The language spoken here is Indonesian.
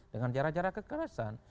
dengan cara cara kekerasan